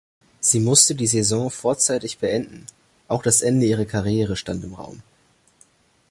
Sie musste die Saison vorzeitig beenden; auch das Ende ihrer Karriere stand im Raum.